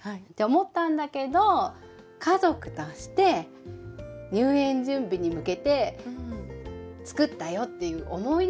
思ったんだけど家族として入園準備に向けて作ったよっていう思い出を作りたかった。